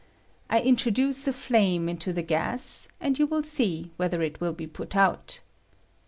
I in troduce a flame into the gas, and you will see whether it will be put out.